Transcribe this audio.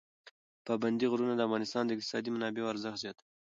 پابندی غرونه د افغانستان د اقتصادي منابعو ارزښت زیاتوي.